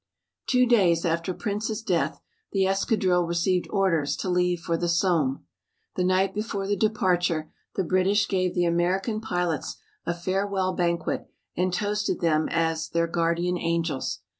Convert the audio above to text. Two days after Prince's death the escadrille received orders to leave for the Somme. The night before the departure the British gave the American pilots a farewell banquet and toasted them as their "Guardian Angels."